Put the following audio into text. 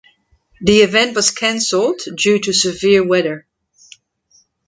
The event was cancelled due to severe weather.